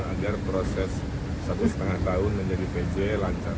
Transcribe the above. agar proses satu lima tahun menjadi pj lancar